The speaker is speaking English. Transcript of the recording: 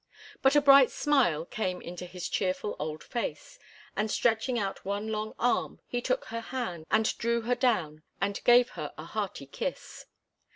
But a bright smile came into his cheerful old face, and stretching out one long arm he took her hand and drew her down and gave her a hearty kiss.